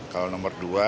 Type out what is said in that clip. kalau nomor dua